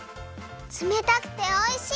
つめたくておいしい！